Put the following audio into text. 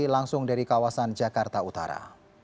langsung dari kawasan jakarta utara